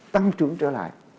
tăng trưởng trở lại